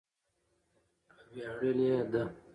او ویاړلې ده.